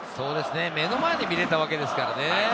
目の前で見られたわけですからね。